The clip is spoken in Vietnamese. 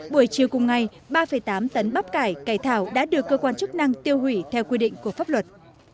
buổi chiều cùng ngày ba tám tấn bắp cải thảo đã được cơ quan chức năng tiêu hủy theo quy định của pháp luật